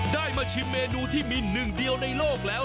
ได้มาชิมเมนูที่มีหนึ่งเดียวในโลกแล้ว